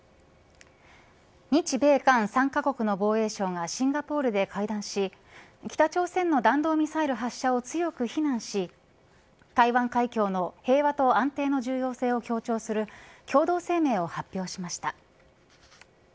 日米韓３カ国の防衛相がシンガポールで会談し北朝鮮の弾道ミサイル発射を強く非難し台湾海峡の平和と安定の重要性を強調する共同声明を発表しました。